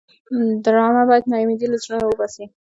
ډرامه باید ناامیدي له زړونو وباسي